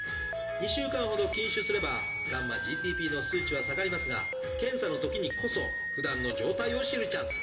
２週間ほど禁酒すればγ−ＧＴＰの数値は下がりますが検査のときにこそふだんの状態を知るチャンス。